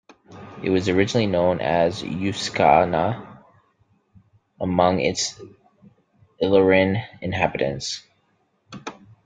It was originally known as "Uskana" among its Illyrian inhabitants.